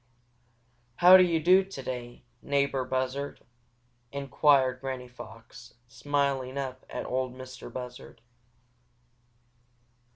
"How do you do today, neighbor Buzzard?" inquired Granny Fox, smiling up at Ol' Mistah Buzzard.